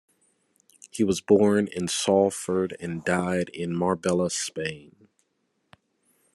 He was born in Salford and died in Marbella, Spain.